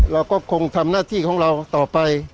เราก็คงทำหน้าที่ของเราต่อไป